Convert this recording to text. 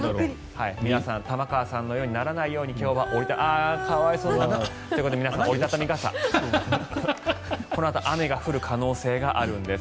皆さん玉川さんのようにならないように今日は。ということで皆さん折り畳み傘このあと雨が降る可能性があるんです。